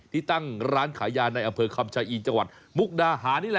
ที่ตั้งร้านขายยาในอำเภอคำชายอีจังหวัดมุกดาหารนี่แหละ